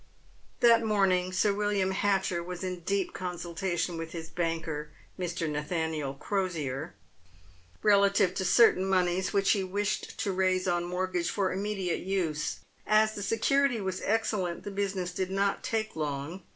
That morning Sir "William Hatcher was in deep consultation with his banker — Mr. Nathaniel Crosier — relative to certain moneys which he wished to raise on mortgage for immediate use. As the security was excellent, the business did not take long.